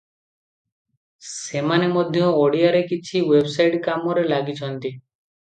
ସେମାନେ ମଧ୍ୟ ଓଡ଼ିଆରେ କିଛି ୱେବସାଇଟ କାମରେ ଲାଗିଛନ୍ତି ।